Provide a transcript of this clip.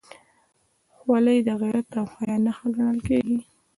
خولۍ د غیرت او حیا نښه ګڼل کېږي.